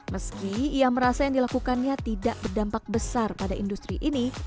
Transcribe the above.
meski ia merasa yang dilakukannya tidak berdampak besar pada industri ini